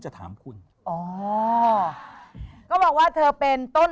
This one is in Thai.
ชุดลายเสือของคุณ